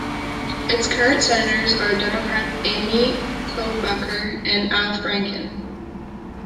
Its current Senators are Democrats Amy Klobuchar and Al Franken.